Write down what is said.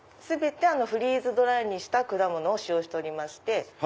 全てフリーズドライにした果物を使用しておりまして。